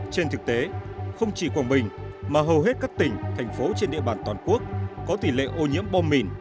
trên thực tế không chỉ quảng bình mà hầu hết các tỉnh thành phố trên địa bàn toàn quốc có tỷ lệ ô nhiễm bom mìn